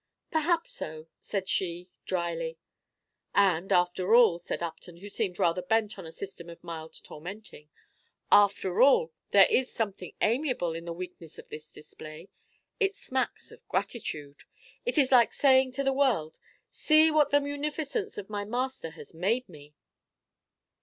"Perhaps so," said she, dryly. "And, after all," said Upton, who seemed rather bent on a system of mild tormenting, "after all, there is something amiable in the weakness of this display, it smacks of gratitude! It is like saying to the world, 'See what the munificence of my master has made me!'"